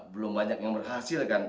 belum banyak yang berhasil kan